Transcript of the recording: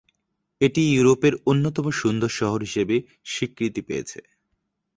এটি ইউরোপের অন্যতম সুন্দর শহর হিসাবে স্বীকৃতি পেয়েছে।